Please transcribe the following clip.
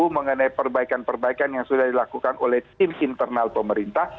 mengenai perbaikan perbaikan yang sudah dilakukan oleh tim internal pemerintah